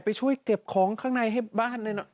ไปช่วยเก็บของข้างในให้บ้านหน่อย